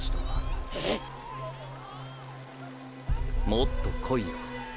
もっとこいよ。